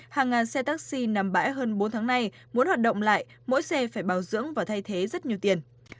hàng ngàn xe taxi nằm bãi hơn bốn tháng nay muốn hoạt động lại mỗi xe phải bảo dưỡng và thay thế rất nhiều tiền